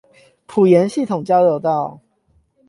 埔鹽系統交流道